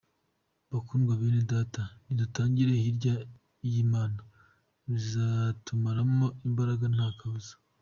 Bakundwa bene Data, nidutinda hirya y’Imana bizatumaramo imbaraga nta kabuza.